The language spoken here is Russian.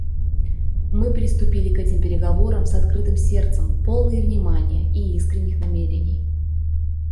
Мы приступили к этим переговорам с открытым сердцем, полные внимания и искренних намерений.